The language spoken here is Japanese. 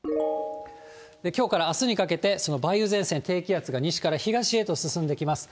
きょうからあすにかけて、その梅雨前線、低気圧が西から東へと進んできます。